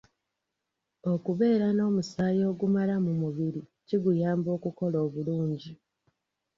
Okubeera n'omusaayi ogumala mu mubiri kiguyamba okukola obulungi.